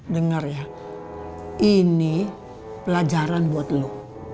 denger ya ini pelajaran buat lu